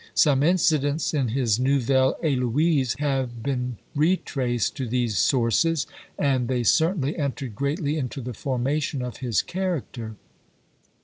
Some incidents in his Nouvelle Heloise have been retraced to these sources; and they certainly entered greatly into the formation of his character.